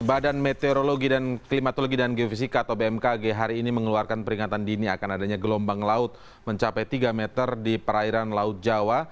badan meteorologi dan klimatologi dan geofisika atau bmkg hari ini mengeluarkan peringatan dini akan adanya gelombang laut mencapai tiga meter di perairan laut jawa